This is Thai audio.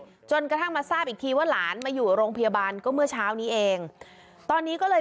จนกระทั่งมาทราบอีกทีว่าหลานมาอยู่โรงพยาบาลก็เมื่อเช้านี้เองตอนนี้ก็เลย